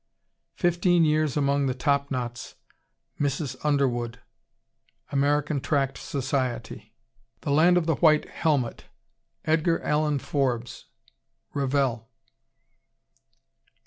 Fifteen Years among the Top Knots, Mrs. Underwood, (Am. Tract Soc.) The Land of the White Helmet, Edgar Allen Forbes, (Revell.)